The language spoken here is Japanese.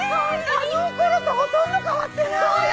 あの頃とほとんど変わってない！